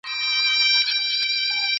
نو پوهېږم چي غویی دی درېدلی..